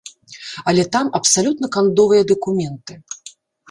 Але там абсалютна кандовыя дакументы.